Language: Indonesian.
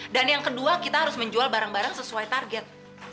dan yang kedua kita harus menjual barang barang sesuai target